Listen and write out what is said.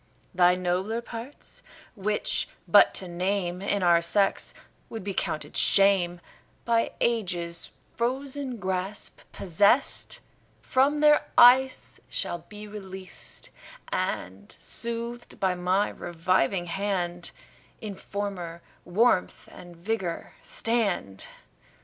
Thy nobler parts, which but to name In our sex would be counted shame, By ages frozen grasp possest, From their ice shall be released, And, soothed by my reviving hand, In former warmth and vigour stand.